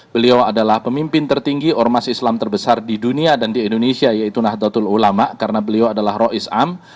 beliau adalah pemimpin tertinggi ormas islam terbesar di dunia dan di indonesia yaitu nahdlatul ulama karena beliau adalah rois am